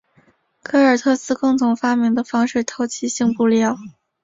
戈尔特斯共同发明的防水透气性布料。